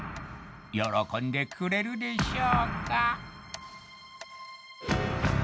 喜んでくれるでしょうか？